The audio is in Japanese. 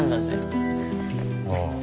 ああ。